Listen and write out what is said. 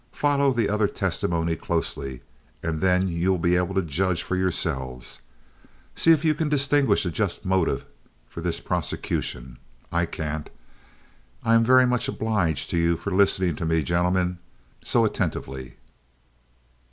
Follow the other testimony closely, and then you will be able to judge for yourselves. See if you can distinguish a just motive for this prosecution. I can't. I am very much obliged to you for listening to me, gentlemen, so attentively."